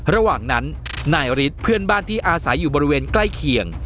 ระหว่างนั้นนายฤทธิ์เพื่อนบ้านที่อาศัยอยู่บริเวณใกล้เคียง